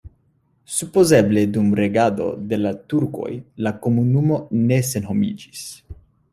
Supozeble dum regado de la turkoj la komunumo ne senhomiĝis.